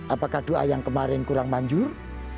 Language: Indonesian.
apakah doa yang kemarin kurang manjur